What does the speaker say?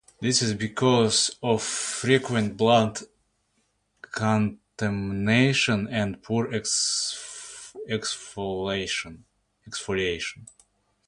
This is because of frequent blood contamination and poor exfoliation.